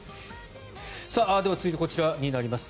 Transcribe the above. では、続いてこちらになります。